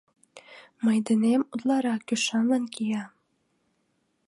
— Мый денем утларак ӱшанлын кия.